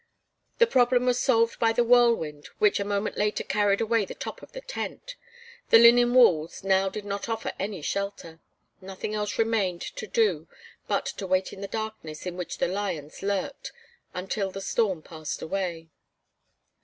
The problem was solved by the whirlwind which a moment later carried away the top of the tent. The linen walls now did not afford any shelter. Nothing else remained to do but to wait in the darkness in which the lions lurked, until the storm passed away.